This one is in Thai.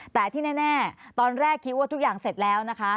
แต่ที่แน่ตอนแรกคิดว่าทุกอย่างเสร็จแล้วนะคะ